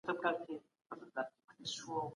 طبيعت يو ژوندی ځواک ګڼل کيده.